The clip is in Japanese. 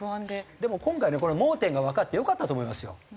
でも今回ねこの盲点がわかってよかったと思いますよ。